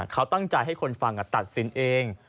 เขาตั้งใจให้คนฟังตัดสินเอง